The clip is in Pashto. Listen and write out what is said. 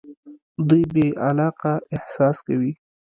دوی بې علاقه احساس کوي.